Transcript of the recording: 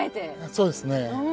そうですね。